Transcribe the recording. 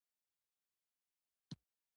د موټر په رڼو ښېښو کې څو ځوانان ښکارېدل.